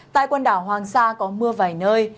tại quần đảo hoàng sa có mưa vài nơi